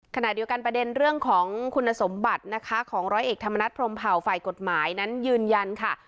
ขณะเดียวกันประเด็นเรื่องของคุณสมบัตินะคะของร้อยเอกธรรมนัฐพรมเผ่าฝ่ายกฎหมายนั้นยืนยันค่ะ